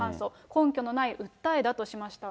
根拠のない訴えだとしました。